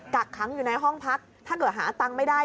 กักขังอยู่ในห้องพักถ้าเกิดหาตังค์ไม่ได้